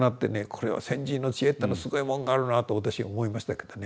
これは先人の知恵ってのはすごいもんがあるなと私思いましたけどね。